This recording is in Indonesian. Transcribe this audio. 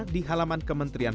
dimana lagi ya tuhan